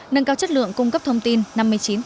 nâng cao chất lượng cung cấp thông tin năm mươi chín